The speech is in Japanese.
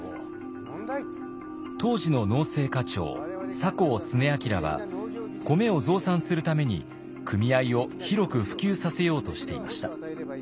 当時の農政課長酒匂常明は米を増産するために組合を広く普及させようとしていました。